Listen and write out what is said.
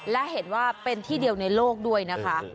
และเห็นว่าเป็นที่เดียวในโลกด้วยนะคะ